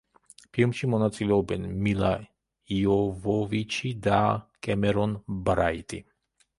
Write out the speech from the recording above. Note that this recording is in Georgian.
ფილმში მონაწილეობენ: მილა იოვოვიჩი და კემერონ ბრაიტი.